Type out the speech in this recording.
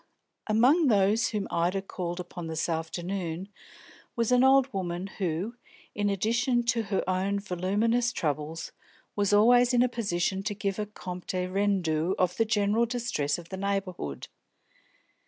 Among those whom Ida called upon this afternoon was an old woman who, in addition to her own voluminous troubles, was always in a position to give a compte rendu of the general distress of the neighbourhood.